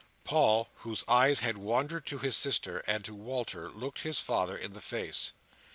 Paul, whose eyes had wandered to his sister, and to Walter, looked his father in the face.